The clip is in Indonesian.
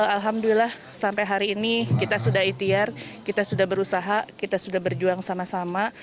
alhamdulillah sampai hari ini kita sudah itiar kita sudah berusaha kita sudah berjuang sama sama